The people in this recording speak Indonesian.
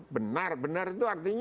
benar benar itu artinya